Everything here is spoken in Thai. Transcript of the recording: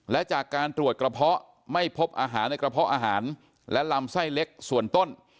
และจากการตรวจกระเพาะไม่พบอาหารในกระเพาะอาหารและลำไส้เล็กส่วนต้น